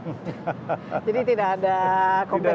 jadi tidak ada kompetisinya